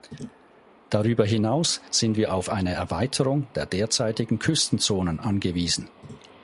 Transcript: Darüber hinaus sind wir auf eine Erweiterung der derzeitigen Küstenzonen angewiesen.